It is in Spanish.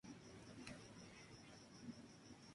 Actualmente es visible el desarrollo de la ciudad.